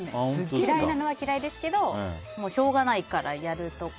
嫌いなのは嫌いですけどしょうがないからやるとか。